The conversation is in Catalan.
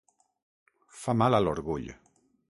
Fa mal a l"orgull.